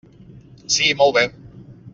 Sí, molt bé.